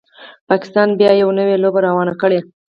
پاکستان بیا یوه نوي لوبه روانه کړي